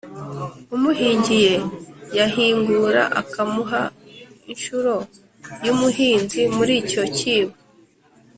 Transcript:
umuhingiye yahingura akamuha inshuro y'umuhinzi muri icyo cyibo